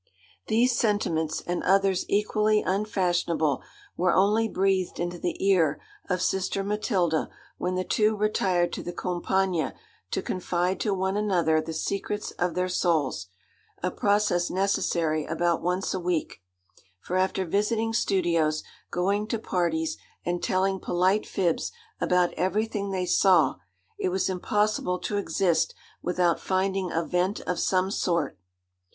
These sentiments, and others equally unfashionable, were only breathed into the ear of sister Matilda when the two retired to the Campagna to confide to one another the secrets of their souls a process necessary about once a week; for after visiting studios, going to parties, and telling polite fibs about everything they saw, it was impossible to exist without finding a vent of some sort.